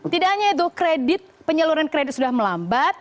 tidak hanya itu kredit penyaluran kredit sudah melambat